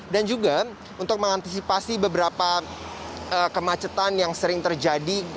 dan juga untuk mengantisipasi beberapa kemacetan yang sering terjadi